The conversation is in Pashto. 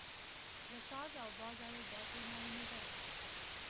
له ساز او بازه یې داسې معلومېدل.